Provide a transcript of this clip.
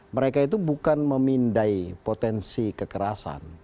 mereka itu bukan memindai potensi kekerasan